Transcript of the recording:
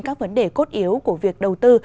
các vấn đề cốt yếu của việc đầu tư